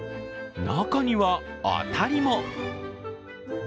中には、当たりも。